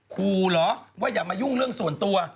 ครูเหรอว่าอย่ามายุ่งเรื่องส่วนตัว